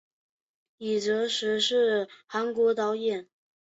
李振石是韩国导演。